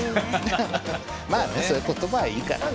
まあねそういう言葉はいいから。